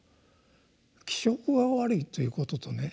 気色が悪いということとね